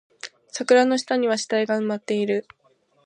桜の下には死体が埋まっている